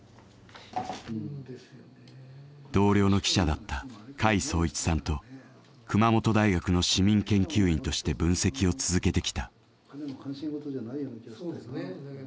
同僚の記者だった甲斐壮一さんと熊本大学の市民研究員として分析を続けてきた。